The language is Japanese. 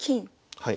はい。